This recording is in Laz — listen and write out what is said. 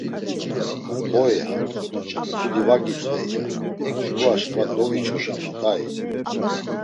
“Ho…” ya; “Mtsudi va gitzvey” ya; “Şǩu aşǩva doviçoditu dayi.”